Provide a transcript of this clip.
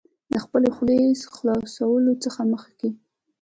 د خپلې خولې خلاصولو څخه مخکې